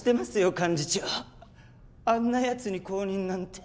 幹事長あんなやつに公認なんて。